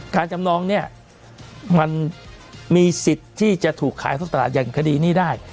จำนองเนี่ยมันมีสิทธิ์ที่จะถูกขายท่อตลาดอย่างคดีนี้ได้